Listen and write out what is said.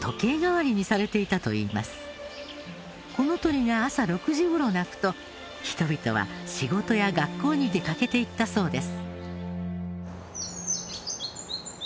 この鳥が朝６時頃鳴くと人々は仕事や学校に出かけていったそうです。